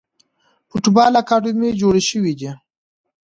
د فوټبال اکاډمۍ جوړې شوي دي.